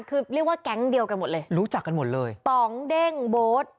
คือเรียกว่าแก๊งเดียวกันหมดเลยรู้จักกันหมดเลยตองเด้งโบ๊ท